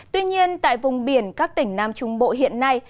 tuy nhiên tại vùng biển các tỉnh nam trung bộ hiện nay